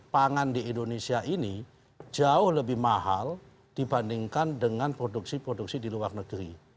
pangan di indonesia ini jauh lebih mahal dibandingkan dengan produksi produksi di luar negeri